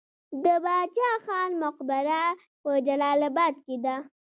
د باچا خان مقبره په جلال اباد کې ده